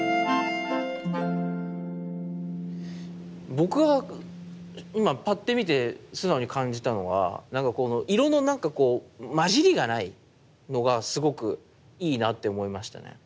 僕は今パッて見て素直に感じたのはなんかこの色のなんかこう混じりがないのがすごくいいなって思いましたね。